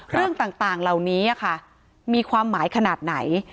เรื่องต่างเหล่านี้มีความหมายขนาดไหน